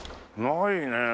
ないねえ。